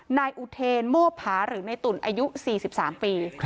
นายอุเทร์โมพาหรือไม่ตุ๋นอายุ๔๓ปี